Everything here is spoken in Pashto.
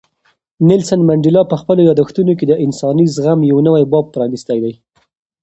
نیلسن منډېلا په خپلو یادښتونو کې د انساني زغم یو نوی باب پرانیستی دی.